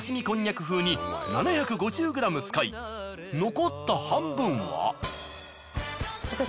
こんにゃく風に７５０ｇ使い残った半分は。